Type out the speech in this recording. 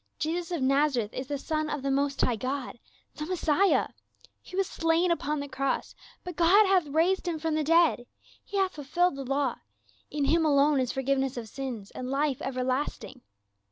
Jesus of Nazareth is the son of the Most High God — the Messiah ! He was slain upon the cross, but God hath raised him from the dead. He hath fulfilled the law. In him alone is forgiveness of sins and life everlasting.